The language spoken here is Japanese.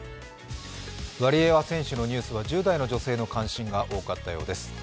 ワリエワ選手のニュースは１０代の女性の関心が多かったようです。